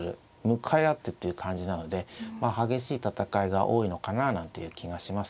向かい合ってっていう感じなので激しい戦いが多いのかななんていう気がしますけれどね。